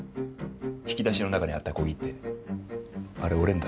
引き出しの中にあった小切手あれ俺のだろ？